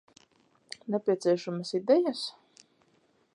Nepieciešamas idejas?